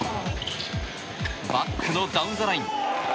バックのダウンザライン！